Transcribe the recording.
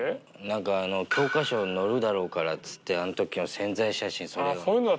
何かあのう教科書に載るだろうからっつってあのときの宣材写真それ用の。